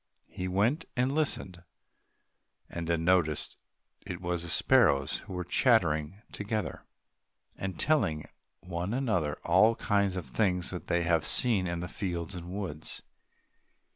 He went and listened, and then noticed that it was the sparrows who were chattering together, and telling one another of all kinds of things which they had seen in the fields and woods.